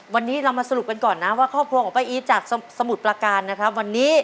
วันนี้เรามาสรุปก่อนผมค่ะมือแป้งอี๋ของป้ายอีทจากสมุดประการนะครับ